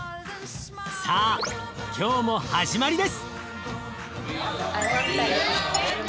さあ今日も始まりです！